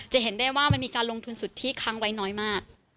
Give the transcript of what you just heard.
เห็นได้ว่ามันมีการลงทุนสุทธิค้างไว้น้อยมาก